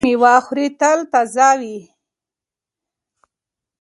هغه څوک چې مېوه خوري تل به تازه وي.